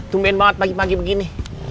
tumbain banget pagi pagi begini